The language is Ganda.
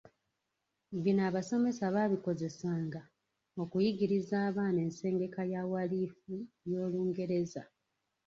Bino abasomesa baabikozesanga okuyigiriza abaana ensengeka ya walifu y’Olungereza.